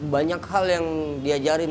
banyak hal yang diajarin